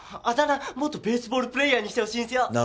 あだ名元ベースボールプレーヤーにしてほしいんすよ。